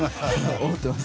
思ってます。